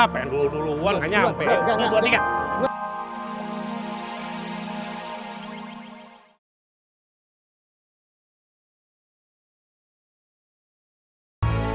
pengen duluan gak nyampe